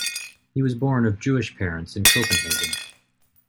He was born of Jewish parents in Copenhagen.